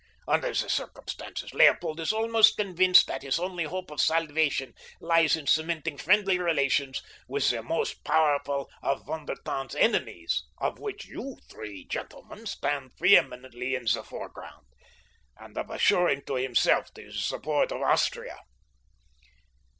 "Under the circumstances Leopold is almost convinced that his only hope of salvation lies in cementing friendly relations with the most powerful of Von der Tann's enemies, of which you three gentlemen stand preeminently in the foreground, and of assuring to himself the support of Austria.